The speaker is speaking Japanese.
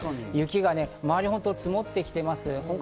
雪が周りに積もってきています。